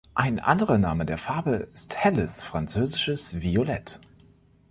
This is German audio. Ein anderer Name der Farbe ist helles französisches Violett.